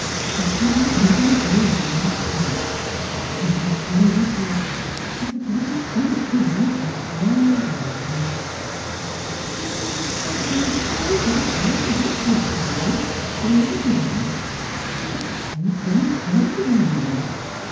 Pepper don't never agree with my stomick. An', as I tell Wessels, if a body's stomitk gives out it's all day with 'em. — No; Mis* Pettibone, the clo'es didn't dry a bit good t'day, fer all the wind; so I ain't done a stroke o' ironin.